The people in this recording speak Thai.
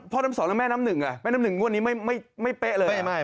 พ่อน้ำ๒แล้วแม่น้ำหนึ่งอ่ะแม่น้ำหนึ่งวันนี้ไม่เป๊ะเลย